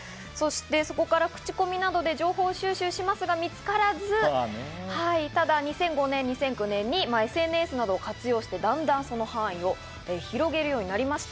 そこから口コミなどで情報収集しますが見つからず、２００５年、２００９年にＳＮＳなどを活用して、だんだん活動範囲を広げるようになりました。